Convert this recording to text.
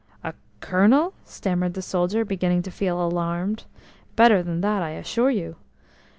"A Colonel?" stammered the soldier, beginning to feel alarmed. "Better than that, I assure you."